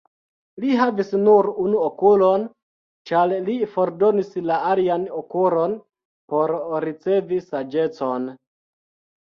Li havis nur unu okulon, ĉar li fordonis la alian okulon por ricevi saĝecon.